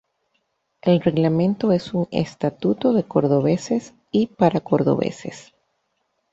El Reglamento es un estatuto de cordobeses y para cordobeses.